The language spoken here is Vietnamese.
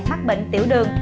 mắc bệnh tiểu đường